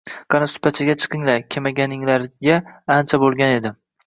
Qani suppachaga chiqinglar kemaganinglarga ancha bo’lgan edi.